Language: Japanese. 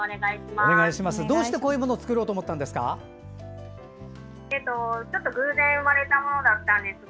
どうしてこういうものを作ろうと思ったんですか？